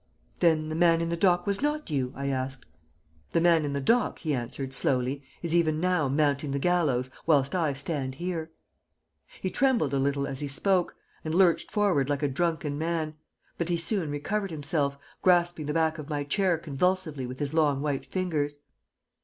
"'Then the man in the dock was not you?' I asked. "'The man in the dock,' he answered, slowly, 'is even now mounting the gallows, whilst I stand here.' "He trembled a little as he spoke, and lurched forward like a drunken man; but he soon recovered himself, grasping the back of my chair convulsively with his long white fingers.